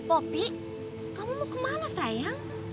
popi kamu mau kemana sayang